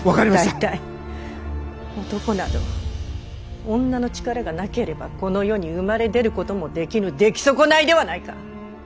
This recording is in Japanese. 大体男など女の力がなければこの世に生まれ出ることもできぬ出来損ないではないか！